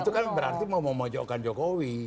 itu kan berarti memomojokkan jokowi